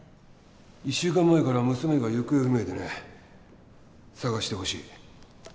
１週間前から娘が行方不明でね捜してほしい。